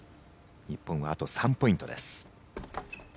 日本はあと３ポイントです。